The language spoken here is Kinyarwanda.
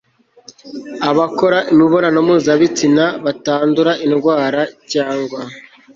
abakora imibonano mpuzabitsina batandura indwara cyangwa